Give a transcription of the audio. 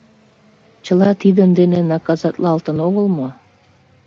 Чыла тидын дене наказатлалтын огыл мо?